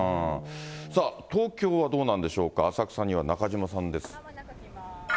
さあ、東京はどうなんでしょうか、浅草には中島さんです。